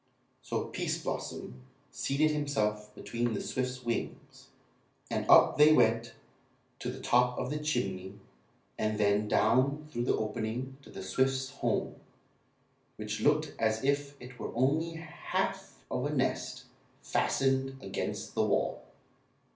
So Pease Blossom seated himself between the swift's wings, and up they went to the top of the chimney and then down through the opening to the swift's home, which looked as if it were only half of a nest fastened against the wall.